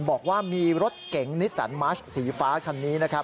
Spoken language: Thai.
บอกว่ามีรถเก่งนิสสันมาร์ชสีฟ้าคันนี้